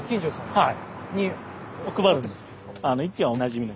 はい。